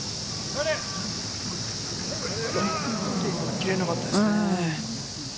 切れなかったですね。